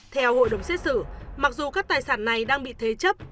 theo hội đồng xét xử mặc dù các tài sản này đang bị thế chấp